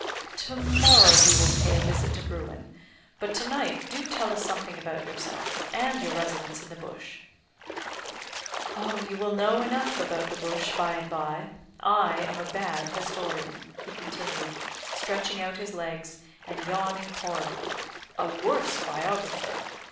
"To morrow we will pay a visit to Bruin; but tonight do tell us something about yourself, and your residence in the bush." "You will know enough about the bush by and by. I am a bad historian," he continued, stretching out his legs and yawning horribly, "a worse biographer.